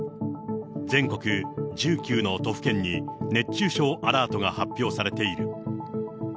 全国１９の都府県に熱中症アラートが発表されている。